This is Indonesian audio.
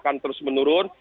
akan terus menurun